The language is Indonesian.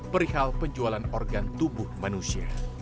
perihal penjualan organ tubuh manusia